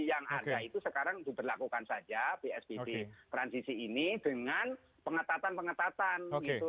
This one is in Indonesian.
yang ada itu sekarang diberlakukan saja psbb transisi ini dengan pengetatan pengetatan gitu